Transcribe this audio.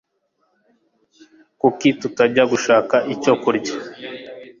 Kuki tutajya gushaka icyo kurya